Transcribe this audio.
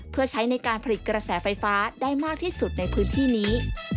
เพื่อใช้ในการผลิตกระแสไฟฟ้าได้มากที่สุดในพื้นที่นี้